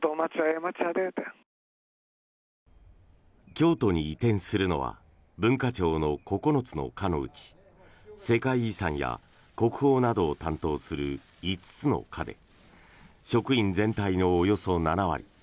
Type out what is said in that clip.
京都に移転するのは文化庁の９つの課のうち世界遺産や国宝などを担当する５つの課で職員全体のおよそ７割。